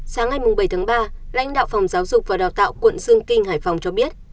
sáng ngày bảy tháng ba lãnh đạo phòng giáo dục và đào tạo quận dương kinh hải phòng cho biết